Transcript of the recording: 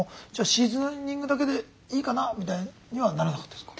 シーズニングだけでいいかなみたいにはならなかったですか？